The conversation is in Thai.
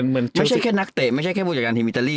ไม่ใช่แค่นักเตะไม่ใช่แค่ผู้จัดการทีมอิตาลี